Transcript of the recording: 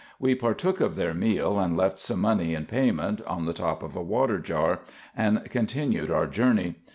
We partook of their meal, and left some money in payment, on the top of a water jar, and continued our journey.